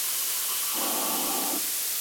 مطالعه لرونکي خلګ پوهه لري.